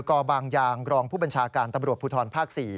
กบางยางรองผู้บัญชาการตำรวจภูทรภาค๔